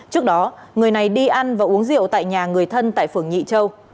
trước đó người này đi ăn và uống rượu tại nhà người thân tại phường nhị châu